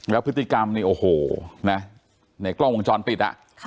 แล้วพฤติกรรมในกล้องวงช้อนปิด